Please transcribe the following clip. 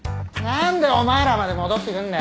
何でお前らまで戻ってくんだよ。